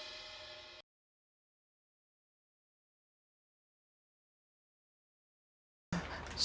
aku ingin mencari penutup wajah